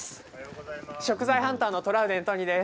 食材ハンターのトラウデン都仁です。